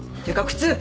靴！